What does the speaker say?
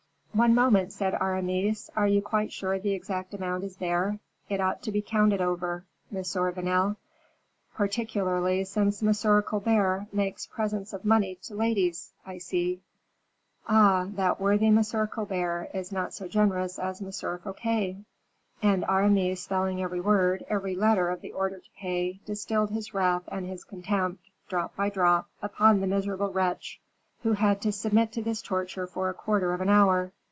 "One moment," said Aramis. "Are you quite sure the exact amount is there? It ought to be counted over, Monsieur Vanel; particularly since M. Colbert makes presents of money to ladies, I see. Ah, that worthy M. Colbert is not so generous as M. Fouquet." And Aramis, spelling every word, every letter of the order to pay, distilled his wrath and his contempt, drop by drop, upon the miserable wretch, who had to submit to this torture for a quarter of an hour.